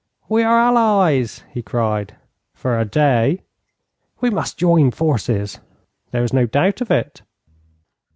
'We are allies!' he cried. 'For a day.' 'We must join forces.' 'There is no doubt of it.'